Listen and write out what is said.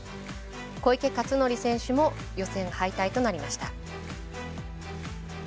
小池克典選手も予選敗退となりました。